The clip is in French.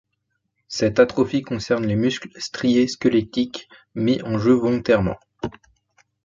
Cette atrophie concerne les muscles striés squelettiques mis en jeu volontairement.